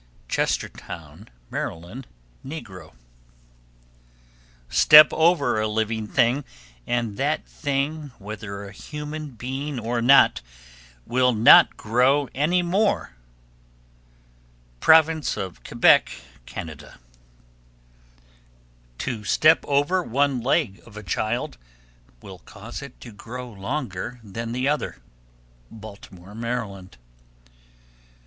Chestertown, Md. (negro). 1288. Step over a living thing, and that thing, whether a human being or not, will not grow any more. Province of Quebec, Can. 1289. To step over one leg of a child will cause it to grow longer than the other. Baltimore, Md. 1290.